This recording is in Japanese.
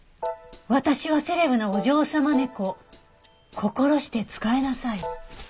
「私はセレブなお嬢様猫」「心して仕えなさい」